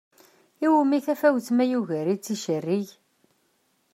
Iwumi tafawett ma yugar-itt icerrig?